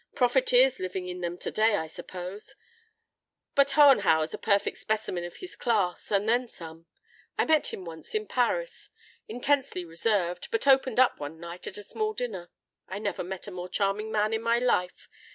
Profiteers living in them today, I suppose. But Hohenhauer is a perfect specimen of his class and then some. I met him once in Paris. Intensely reserved, but opened up one night at a small dinner. I never met a more charming man in my life.